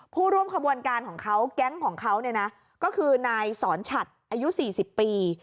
ผู้ร่วมขบวนการของเขาแก๊งของเขาเนี่ยนะก็คือนายสอนฉัดอายุ๔๐ปี